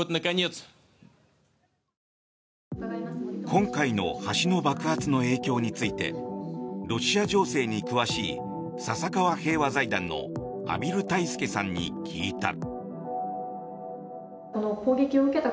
今回の橋の爆発の影響についてロシア情勢に詳しい笹川平和財団の畔蒜泰助さんに聞いた。